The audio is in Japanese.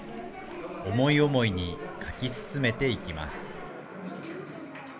思い思いに描き進めていきます。